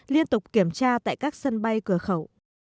liên tục kiểm tra tại các sân bay cửa khẩu